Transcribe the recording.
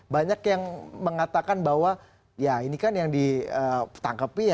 banyak yang mengatakan bahwa ya ini kan yang ditangkapi ya